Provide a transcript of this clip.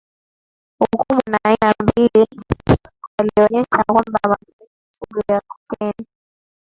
hukumbwa na aina mbili walionyesha kwamba matumizi sugu ya kokeni